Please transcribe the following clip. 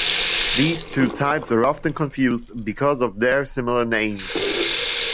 These two types are often confused because of their similar names.